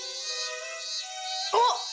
あっ！